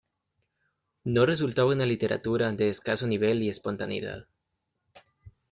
No resultaba una literatura de escaso nivel y espontaneidad.